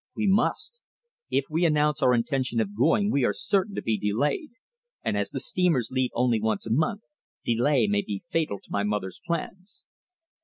"We must. If we announce our intention of going we are certain to be delayed, and as the steamers leave only once a month, delay may be fatal to my mother's plans."